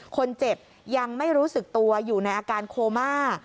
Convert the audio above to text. คนเจ็บยังไม่รู้สึกตัวอยู่ในอาการโคม่า